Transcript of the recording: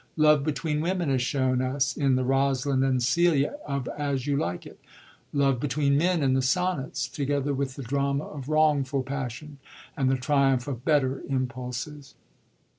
Love between women is shown us in the Rosalind and Celia of As You Like It; love between men in the Sonnets, together with the drama of wrongful passion and the triumph of better impulses.